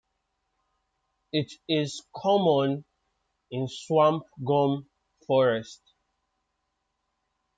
It is common in swamp gum forest.